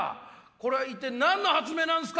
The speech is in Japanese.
これは一体何の発明なんですか？